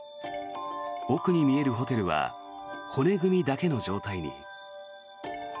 奥に見えるホテルは骨組みだけの状態に。